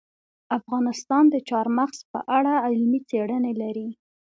افغانستان د چار مغز په اړه علمي څېړنې لري.